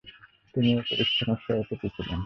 তিনি এই প্রতিষ্ঠানের সভাপতি ছিলেন।